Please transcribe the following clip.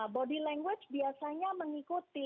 body language biasanya mengikuti